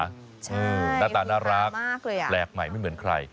หน้าตาน่ารักแปลกใหม่ไม่เหมือนใคร